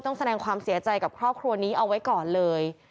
ต้องแสดงความเสียใจกับครอบครัวนี้เอาไว้ก่อนเลย